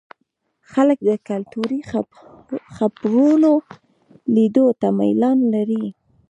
خلک د کلتوري خپرونو لیدو ته میلان لري.